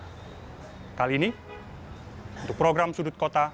nah kali ini untuk program sudut kota